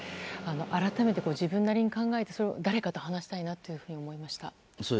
改めて自分なりに考えて誰かと話したいなと思いました。